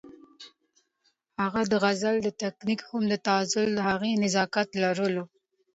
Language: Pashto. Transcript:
د هغه د غزل تکنيک هم د تغزل هغه نزاکت لرلو